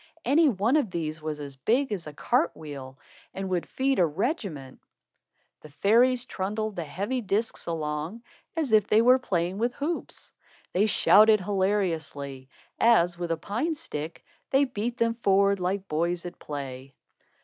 Any one of these was as big as a cart wheel, and would feed a regiment. The fairies trundled the heavy discs along, as if they were playing with hoops. They shouted hilariously, as, with a pine stick, they beat them forward like boys at play.